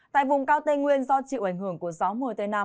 tại vùng cao tây nguyên do chịu ảnh hưởng của gió mùa tây nam